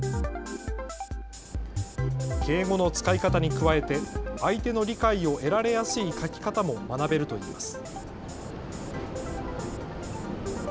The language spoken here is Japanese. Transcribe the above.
敬語の使い方に加えて相手の理解を得られやすい書き方も学べるといいます。